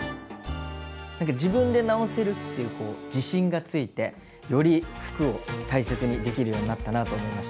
何か自分で直せるっていうこう自信がついてより服を大切にできるようになったなと思いました。